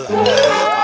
apaan kebun ujan